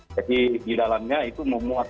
jadi di dalamnya itu memuat